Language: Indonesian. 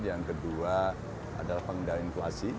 yang kedua adalah pengendalian inflasi